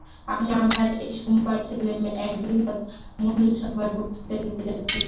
আমি আবার এই সোমবারে সেলেমে এক বৃহৎ মহিলাসভায় বক্তৃতা দিতে যাইতেছি।